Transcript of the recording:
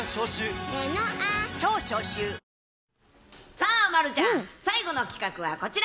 さあ、丸ちゃん、最後の企画はこちら。